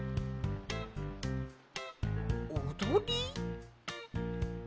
おどり？